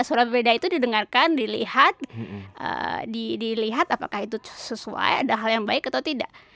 surat beda itu didengarkan dilihat apakah itu sesuai ada hal yang baik atau tidak